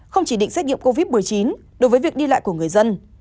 không chỉ định xét nghiệm covid một mươi chín đối với việc đi lại của người dân